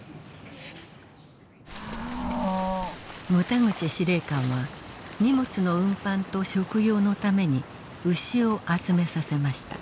牟田口司令官は荷物の運搬と食用のために牛を集めさせました。